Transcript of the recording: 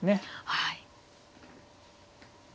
はい。